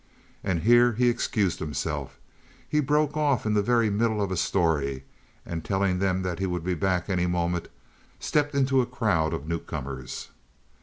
And here he excused himself; he broke off in the very middle of a story, and telling them that he would be back any moment, stepped into a crowd of newcomers.